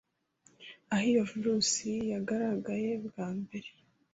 aho iyo virusi yagaragaye bwa mbere,